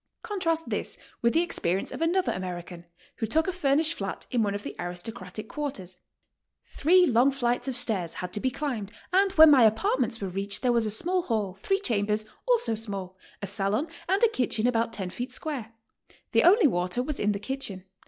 Contrast this with the experience of another American, vv"ho taok a furnished flat in one of the aristocratic quarters: ''Three long flights of stairs had to be climbed, and when my apartments were reached there was a small hall, three cham bers, also small, a salon, and a kitchen about 10 feet squre. The only water was in the kitchen.